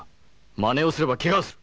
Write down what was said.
まねをすればけがをする。